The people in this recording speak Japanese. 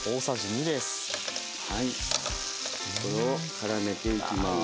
これをからめていきます。